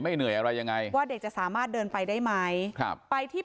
เหนื่อยอะไรยังไงว่าเด็กจะสามารถเดินไปได้ไหมครับไปที่